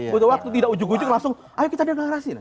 butuh waktu tidak ujung ujung langsung ayo kita dengar rahasia